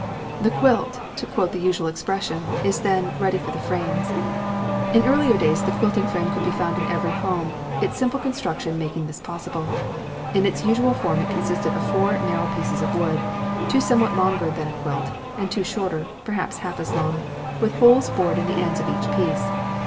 The quilt, to quote the usual expression, is then "ready for the frames." In earlier days the quilting frame could be found in every home, its simple construction making this possible. In its usual form it consists of four narrow pieces of wood, two somewhat longer than a quilt, and two shorter, perhaps half as long, with holes bored in the ends of each piece.